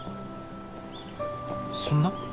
そんな？